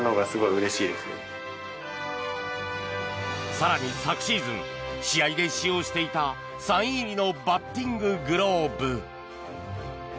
更に、昨シーズン試合で使用していたサイン入りのバッティンググローブ。